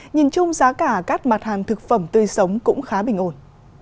nhìn chung giá cả các mặt hàng thực phẩm tươi sống cũng khá bình ổn